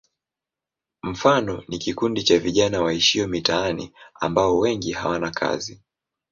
Mfano ni kikundi cha vijana waishio mitaani ambao wengi hawana kazi.